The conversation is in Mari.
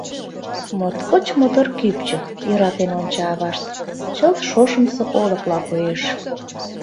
— Моткоч мотор кӱпчык, — йӧратен онча авашт, — чылт шошымсо олыкла коеш.